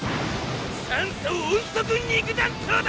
「酸素音速肉弾頭」だ！